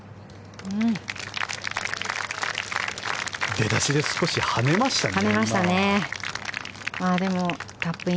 出だしで少し跳ねましたね